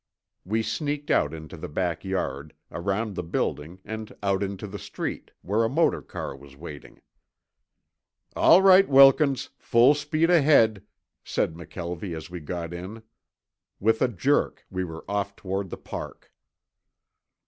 We sneaked out into the back yard, around the building, and out into the street, where a motor car was waiting. "All right, Wilkins. Full speed ahead," said McKelvie as we got in. With a jerk we were off toward the Park.